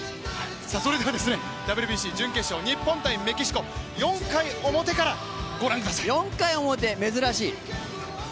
それではＷＢＣ準決勝日本×メキシコ、４回表からご覧ください。